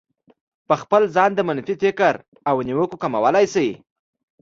په خپل ځان د منفي فکر او نيوکو کمولای شئ.